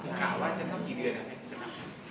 คุณข่าวว่าจะต้องมีเดือนอะไร